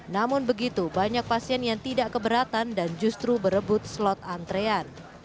namun begitu banyak pasien yang tidak keberatan dan justru berebut slot antrean